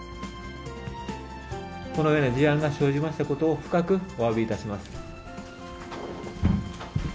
このような事案が生じましたことを、深くおわびいたします。